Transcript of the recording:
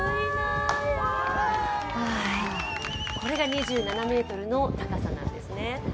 これが２７ｍの高さなんですね。